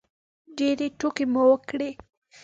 ډېرې ټوکې مو وکړلې